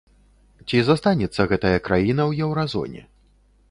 Ці застанецца гэтая краіна ў еўразоне?